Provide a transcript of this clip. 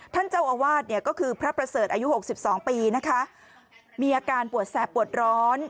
ท่านเจ้าอาวาสเนี่ยก็คือพระประเสริฐอายุ๖๒ปีนะคะมีอาการปวดแสบปวดร้อน